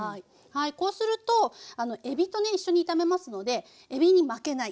こうするとえびとね一緒に炒めますのでえびに負けない。